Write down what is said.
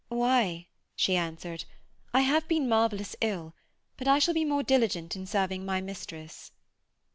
'Why,' she answered, 'I have been marvellous ill, but I shall be more diligent in serving my mistress.'